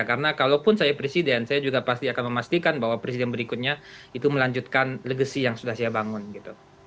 karena kalaupun saya presiden saya juga pasti akan memastikan bahwa presiden berikutnya itu melanjutkan legasi yang sudah saya bangun gitu